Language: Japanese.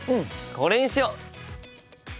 これにしよう！